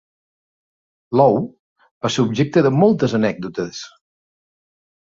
L'ou va ser objecte de moltes anècdotes.